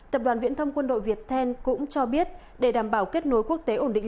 tập đoàn viễn thông quân đội việt then cũng cho biết để đảm bảo kết nối quốc tế ổn định